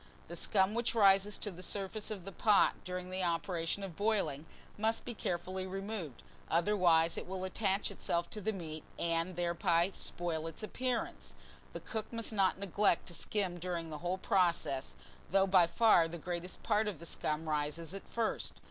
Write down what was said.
THE SCUM WHICH RISES to the surface of the pot during the operation of boiling must be carefully removed, otherwise it will attach itself to the meat, and thereby spoil its appearance. The cook must not neglect to skim during the whole process, though by far the greater part of the scum rises at first.